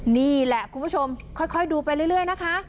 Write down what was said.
นี่แหละคุณผู้ชมค่อยดูไปเรื่อยนะคะ